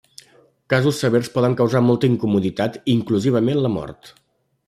Casos severs poden causar molta incomoditat i inclusivament la mort.